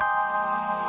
sampai jumpa lagi